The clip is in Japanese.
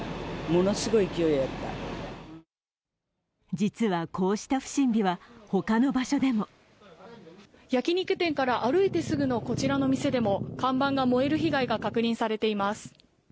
実はこうした不審火は他の場所でも焼き肉店から歩いてすぐのこちらの店でも看板が燃える被害が確認されています。